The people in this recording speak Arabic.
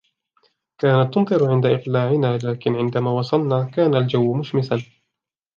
كانت تمطر عند إقلاعنا ، لكن ، عندما وصلنا ، كان الجو مشمسا.